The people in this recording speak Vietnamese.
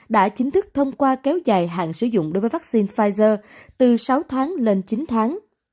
đã chính thức thông qua kéo dài hạn sử dụng đối với vaccine pfizer từ sáu tháng lên chín tháng